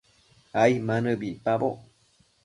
ai ma nëbi icpaboc